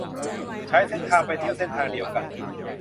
ใช้เส้นทางไปเที่ยวเส้นทางเดียวกัน